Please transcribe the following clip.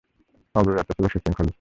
অগ্রযাত্রা ছিল সুশৃঙ্খলই।